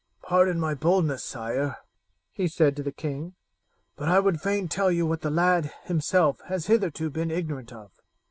"Pardon my boldness, sire," he said to the king, "but I would fain tell you what the lad himself has hitherto been ignorant of.